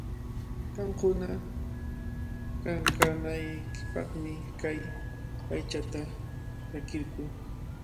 Qamkuna kankanaykipaqmi kay aychata rakirquu.